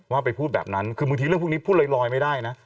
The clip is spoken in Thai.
ว่าไปพูดแบบนั้นคือบางทีเรื่องพวกนี้พูดลอยไม่ได้นะ